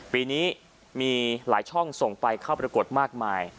ปีนี้มีหลายช่องส่งไปเข้าปรากฏมากมาย